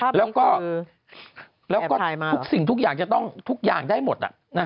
ภาพนี้คือแอบทายมากเหรอแล้วก็ทุกสิ่งทุกอย่างจะต้องทุกอย่างได้หมด